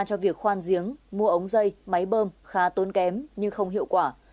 cho việc khoan giếng mua ống dây máy bơm khá tốn kém nhưng không hiệu quả